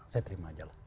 saya terima aja lah